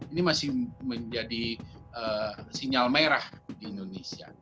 ini masih menjadi sinyal merah di indonesia